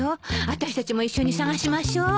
あたしたちも一緒に捜しましょう。